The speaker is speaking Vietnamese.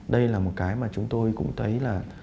đây là một cái mà chúng tôi cũng thấy là